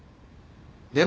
でも。